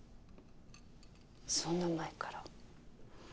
そんな前から。